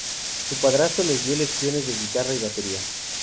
Su padrastro les dio lecciones de guitarra y batería.